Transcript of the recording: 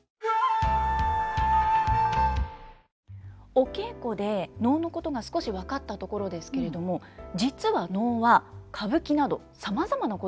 お稽古で能のことが少し分かったところですけれども実は能は歌舞伎などさまざまな古典芸能に取り入れられているんです。